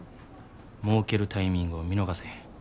もうけるタイミングを見逃せへん。